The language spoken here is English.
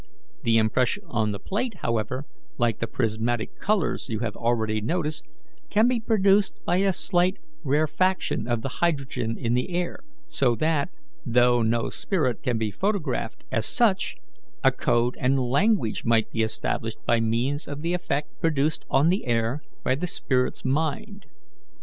The impression on the plate, however, like the prismatic colours you have already noticed, can be produced by a slight rarefaction of the hydrogen in the air, so that, though no spirit could be photographed as such, a code and language might be established by means of the effect produced on the air by the spirit's mind.